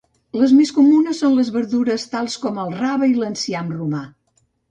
Les més comunes són les verdures tals com el rave i l'enciam romà.